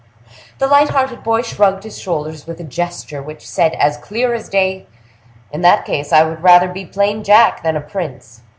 The light hearted boy shrugged his shoulders with a gesture which said as clear as day: "In that case I would rather be plain Jack than a prince."